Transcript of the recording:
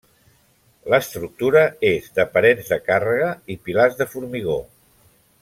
L'estructura és de parets de càrrega i pilars de formigó.